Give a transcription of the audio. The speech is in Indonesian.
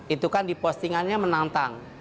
itu kan di postingannya menantang